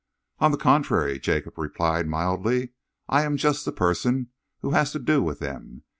"On the contrary," Jacob replied mildly, "I am just the person who has to do with them.